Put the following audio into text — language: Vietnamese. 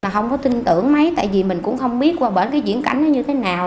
không có tin tưởng mấy tại vì mình cũng không biết qua bởi cái diễn cảnh như thế nào